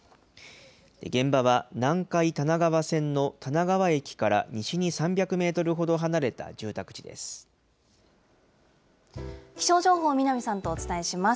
現場は南海多奈川線の多奈川駅から西に３００メートルほど離れた気象情報、南さんとお伝えします。